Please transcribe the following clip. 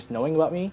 hanya mengetahui saya